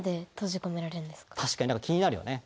確かに気になるよね。